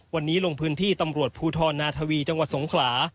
วันนี้ลงพื้นที่ตำรวจภูทรนาทวีจังหวัดสงขลา